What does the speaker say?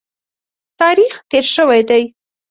تاریخ تېر شوی دی.